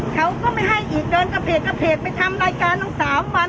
เขาก็ไม่ให้อีกเดินกระเพกกระเพกไปทำรายการต้อง๓วัน